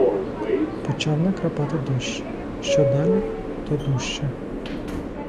Почав накрапати дощ, що далі — то дужче.